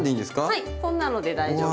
はいこんなので大丈夫。